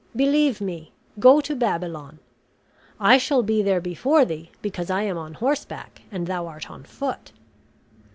Believe me, go to Babylon. I shall be there before thee, because I am on horseback, and thou art on foot.